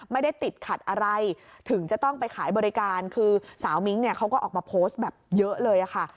ไม่ได้ติดขัดอะไรถึงจะต้องไปขายบริการคือสาวมิ้งเนี่ยเขาก็ออกมาโพสต์แบบเยอะเลยค่ะ